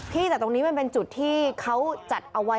แต่ตรงนี้มันเป็นจุดที่เขาจัดเอาไว้